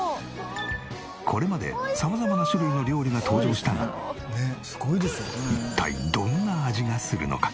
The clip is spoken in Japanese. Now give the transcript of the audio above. これまで様々な種類の料理が登場したが一体どんな味がするのか？